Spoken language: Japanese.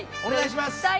お願いします！